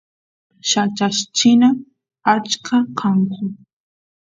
yachachinas achka kanku